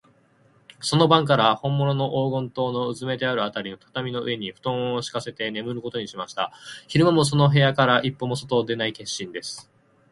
その晩から、ほんものの黄金塔のうずめてあるあたりの畳の上に、ふとんをしかせてねむることにしました。昼間も、その部屋から一歩も外へ出ない決心です。